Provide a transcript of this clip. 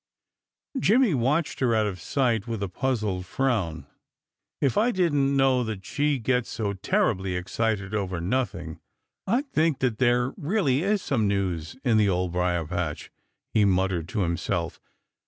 Jimmy watched her out of sight with a puzzled frown. "If I didn't know that she gets so terribly excited over nothing, I'd think that there really is some news in the Old Briar patch," he muttered to himself.